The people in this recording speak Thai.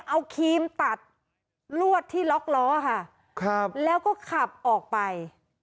เอาครีมตัดลวดที่ล็อกล้อค่ะครับแล้วก็ขับออกไป